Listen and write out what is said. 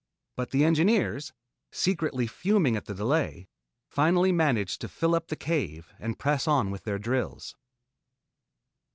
But the engineers, secretly fuming at the delay, finally managed to fill up the cave and press on with their drills.